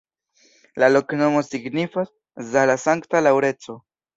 La loknomo signifas: Zala-Sankta Laŭrenco.